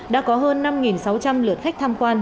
đã có hơn năm sáu trăm linh lượt khách tham quan